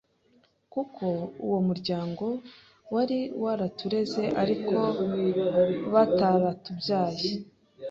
kuko uwo muryango wari waratureze ariko bataratubyaye,